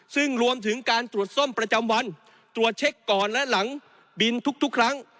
ซึ่งรวมถึงการตรวจซ่อมประจำวันตรวจเช็คก่อนและหลังบินทุกครั้ง